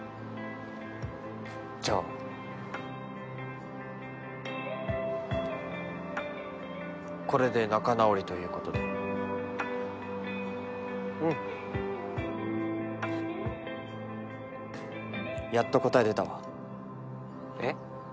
じゃあこれで仲直りということでうんやっと答え出たわえっ？